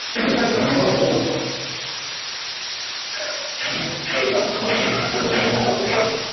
Wanyama hufa kwa ugonjwa wa kimeta bila kuwa na uthibitisho wa awali wa ugonjwa